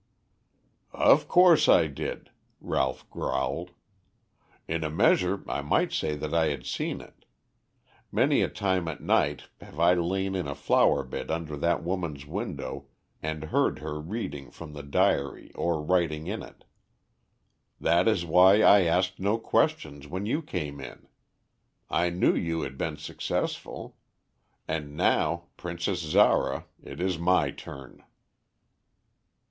"Of course I did," Ralph growled. "In a measure, I might say that I had seen it. Many a time at night have I lain in a flower bed under that woman's window and heard her reading from the diary or writing in it. That is why I asked no questions when you came in. I knew you had been successful. And now, Princess Zara, it is my turn."